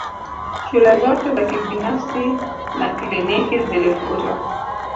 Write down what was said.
Shule zote za kibinafsi na kliniki zilifutwa